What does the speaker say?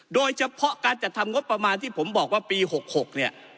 โดยเฉพาะการจัดทำงบประมาณที่ผมบอกว่าปี๖๖เนี่ย